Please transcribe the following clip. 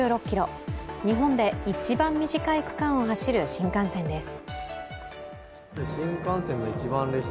日本で一番短い区間を走る新幹線です。